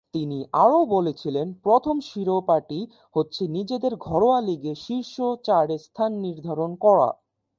তিনি আরও বলেছিলেন, "প্রথম শিরোপাটি হচ্ছে নিজেদের ঘরোয়া লীগে শীর্ষ চারে স্থান নির্ধারণ করা"।